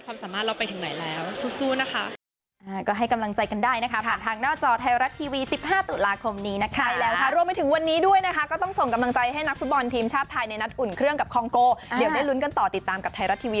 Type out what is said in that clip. ความสามารถเราไปถึงไหนแล้วสู้นะคะ